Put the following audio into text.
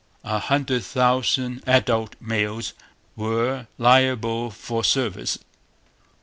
A hundred thousand adult males were liable for service.